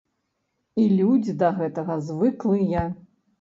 І людзі да гэтага звыклыя.